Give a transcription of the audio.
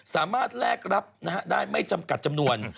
สามารถแลกรับนะฮะได้ไม่จำกัดจำนวน